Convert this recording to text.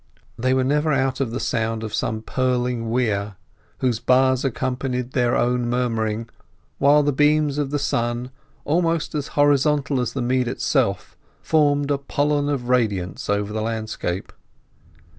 They were never out of the sound of some purling weir, whose buzz accompanied their own murmuring, while the beams of the sun, almost as horizontal as the mead itself, formed a pollen of radiance over the landscape.